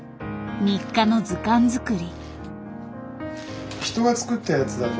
日課の図鑑作り。